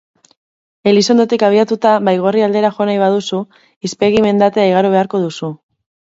Elizondotik abiatuta Baigorri aldera jo nahi baduzu, Izpegi mendatea igaro beharko duzu.